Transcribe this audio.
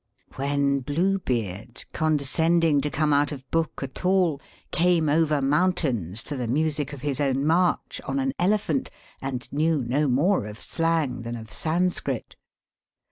When Blue Beard, conde scending to come out of book at all, came over mountains, to the music of his own march, on an elephant, and knew no more of slang than of Sanscrit.